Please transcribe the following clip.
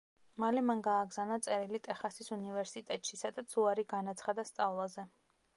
მალე მან გააგზავნა წერილი ტეხასის უნივერსიტეტში, სადაც უარი განაცხადა სწავლაზე.